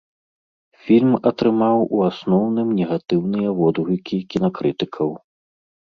Фільм атрымаў у асноўным негатыўныя водгукі кінакрытыкаў.